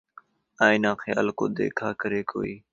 آئینۂ خیال کو دیکھا کرے کوئی